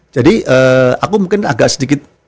jadi aku mungkin agak sedikit